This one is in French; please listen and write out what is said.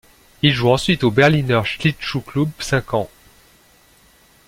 Il joue ensuite au Berliner Schlittschuhclub cinq ans.